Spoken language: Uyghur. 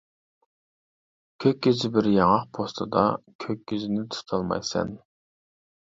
كۆك يۈزى بىر ياڭاق پوستىدا، كۆك يۈزىنى تۇتالمايسەن.